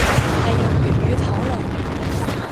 係用粵語討論